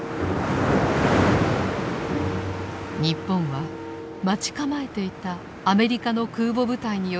日本は待ち構えていたアメリカの空母部隊による攻撃を受けたのです。